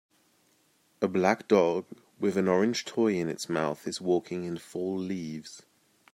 A black dog with an orange toy in its mouth is walking in fall leaves.